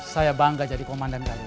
saya bangga jadi komandan kali